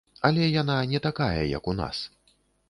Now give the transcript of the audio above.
Але яна не такая, як у нас.